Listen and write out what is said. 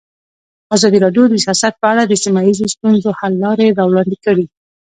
ازادي راډیو د سیاست په اړه د سیمه ییزو ستونزو حل لارې راوړاندې کړې.